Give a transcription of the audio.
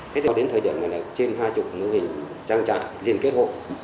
kết quả đến thời điểm này là trên hai mươi mô hình trang trại liên kết hộ